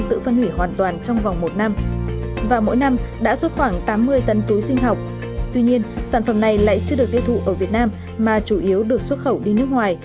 tuy nhiên sản phẩm này lại chưa được tiêu thụ ở việt nam mà chủ yếu được xuất khẩu đi nước ngoài